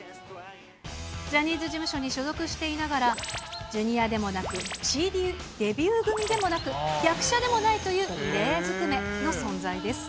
ジャニーズ事務所に所属していながら、ジュニアでもなく、ＣＤデビュー組でもなく、役者でもないという異例ずくめの存在です。